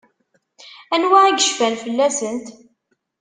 Anwa i yecfan fell-asent?